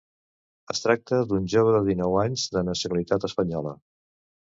Es tracta d’un jove de dinou anys de nacionalitat espanyola.